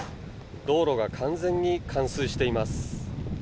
道路が完全に冠水しています。